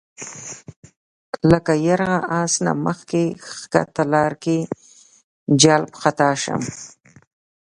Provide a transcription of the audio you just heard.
لکه یرغه آس نه مخ ښکته لار کې جلَب خطا شم